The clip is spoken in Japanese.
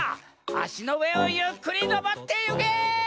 あしのうえをゆっくりのぼってゆけ！